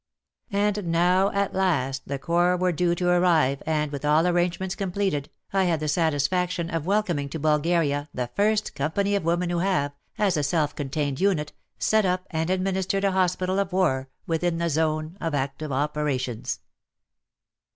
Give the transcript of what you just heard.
And now at last the Corps were due to arrive and, with all arrangements completed, I had the satisfaction of welcoming to Bulgaria the first company of women who have, as a self contained unit, set up and administered a hospital of war within the zone of active operations.